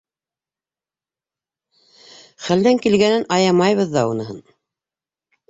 — Хәлдән килгәнен аямайбыҙ ҙа уныһын.